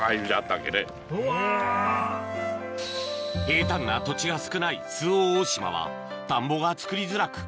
平たんな土地が少ない周防大島は田んぼが作りづらく